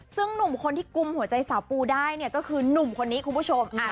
ซึ่งหนุ่มคนที่กุมหัวใจสาวปูได้เนี่ยก็คือหนุ่มคนนี้คุณผู้ชม